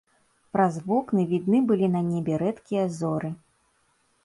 Праз вокны відны былі на небе рэдкія зоры.